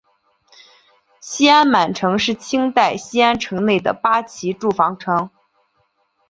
西安满城是清代西安城内的八旗驻防城。